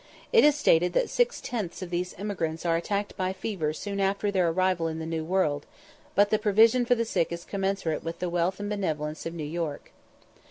It is stated that six tenths of these emigrants are attacked by fever soon after their arrival in the New World, but the provision for the sick is commensurate with the wealth and benevolence of New York.